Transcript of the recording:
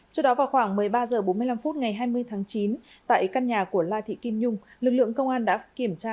trước đó vào khoảng một mươi ba h bốn mươi năm ngày hai mươi tháng chín tại căn nhà của la thị kim nhung lực lượng công an đã kiểm tra